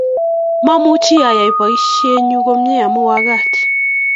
mamuchi ayai poishenyu komie amu wakat